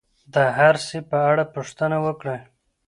د هر سي په اړه پوښتنه وکړئ.